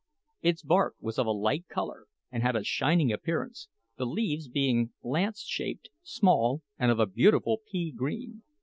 Its bark was of a light colour, and had a shining appearance, the leaves being lance shaped, small, and of a beautiful pea green.